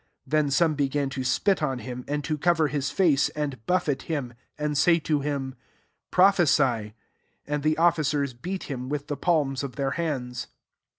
65 Then some began to ^it on him, and to .cover his face, and buffet him, and to say to him^ •'Prophesy:" and the ofUcers beat him with the palms of their hands.